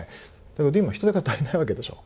でも今、人手が足りないわけでしょう。